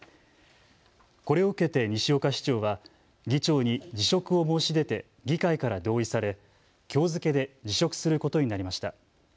これを受けて西岡市長は議長に辞職を申し出て議会から同意されきょう付けで辞職することになりました。